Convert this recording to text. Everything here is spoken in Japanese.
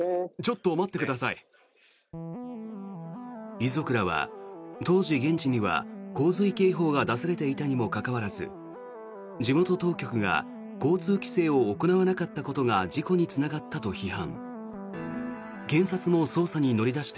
遺族らは当時、現地には洪水警報が出されていたにもかかわらず地元当局が交通規制を行わなかったことが事故につながったと批判。